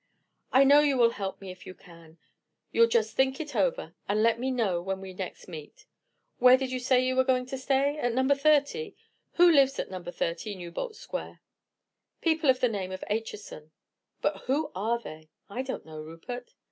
"I know you will help me if you can. You'll just think it over, and let me know when next we meet. Where did you say you were going to stay—at No. 30? Who lives at No. 30 Newbolt Square?" "People of the name of Acheson." "But who are they?" "I don't know, Rupert."